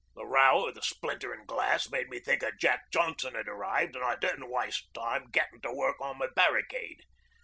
The row of the splinterin' glass made me think a Jack Johnson had arrived an' I didn't waste time gettin' to work on my barricade.